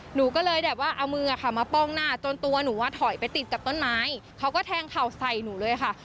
หนูก็เลยแบบว่าเอามือค่ะมาป้องหน้าจนตัวหนูอ่ะถอยไปติดกับต้นไม้เขาก็แทงเข่าใส่หนูเลยค่ะ